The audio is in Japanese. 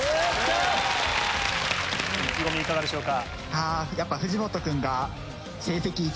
意気込みいかがでしょうか？